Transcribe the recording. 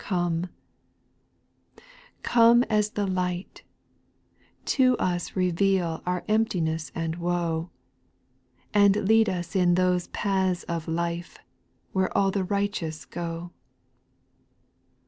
Come as the light, — to us reveal Our emptiness and woe ; And lead us in those paths of life, Where all the righteous go.